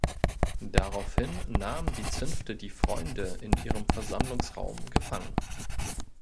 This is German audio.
Daraufhin nahmen die Zünfte die „Freunde“ in ihrem Versammlungsraum gefangen.